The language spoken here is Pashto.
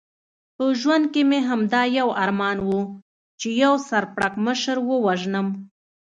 په ژوند کې مې همدا یو ارمان و، چې یو سر پړکمشر ووژنم.